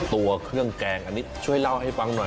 ตัวเครื่องแกงอันนี้ช่วยเล่าให้ฟังหน่อย